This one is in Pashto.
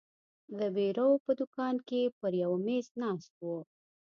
د بیرو په دوکان کې پر یوه مېز ناست وو.